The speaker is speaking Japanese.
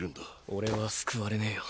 俺は救われねぇよ。